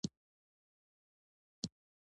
رپوټونه ورکول.